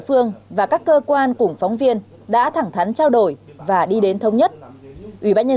phương và các cơ quan cùng phóng viên đã thẳng thắn trao đổi và đi đến thống nhất ủy ban nhân